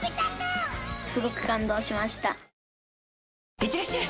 いってらっしゃい！